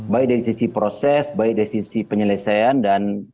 baik dari sisi proses baik dari sisi penyelesaian dan